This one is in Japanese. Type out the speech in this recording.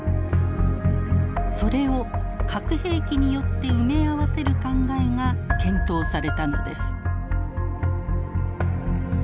それを核兵器によって埋め合わせる考えが検討されたのです。